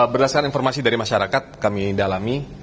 berdasarkan informasi dari masyarakat kami di alami